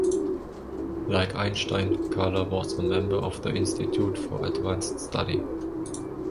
Like Einstein, Kahler was a member of the Institute for Advanced Study.